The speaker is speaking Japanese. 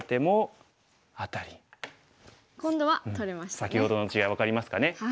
先ほどの違い分かりますかね。